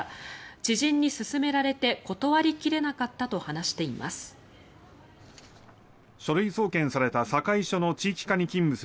知人に勧められて断り切れなかったと話しています。